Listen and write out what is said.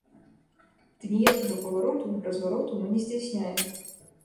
Ды ніякага павароту, развароту мы не здзяйсняем.